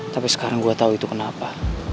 tapi sekarang gue tahu itu kenapa